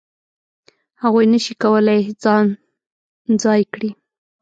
هغوی نه شي کولای ځان ځای کړي.